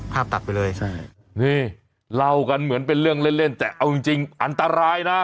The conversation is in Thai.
ตัดไปเลยใช่นี่เล่ากันเหมือนเป็นเรื่องเล่นเล่นแต่เอาจริงจริงอันตรายนะ